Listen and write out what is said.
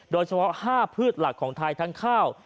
โดยเฉพาะ๕พืชหลักของไทยทั้งข้าว